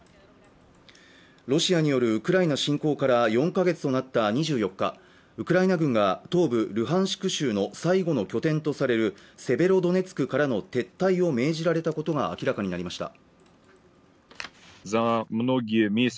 ロシアによるウクライナ侵攻から４か月となった２４日ウクライナ軍が東部ルハンシク州の最後の拠点とされるセベロドネツクからの撤退を命じられたことが明らかになりました